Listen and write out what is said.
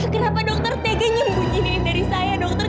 kenapa dokter teganyem bujinin dari saya dokter